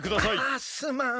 あすまん。